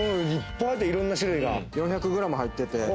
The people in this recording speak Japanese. いっぱい、いろんな種類が４００グラム入っていて。